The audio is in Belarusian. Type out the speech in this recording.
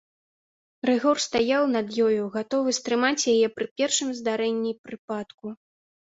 Рыгор стаяў над ёю, гатовы стрымаць яе пры першым здарэнні прыпадку.